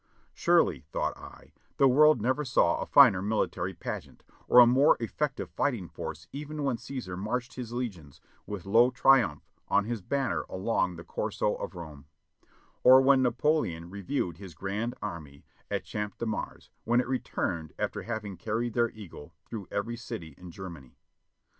"Surely," thought I, "the world never saw a finer military pageant, or a more effective fighting force even when Caesar marched his legions with 'lo Triumphe' on his banner along the Corso of Rome; or w^hen Napoleon reviewed his grand army at Champ de Mars when it returned after having carried their eagle through every city in Germany."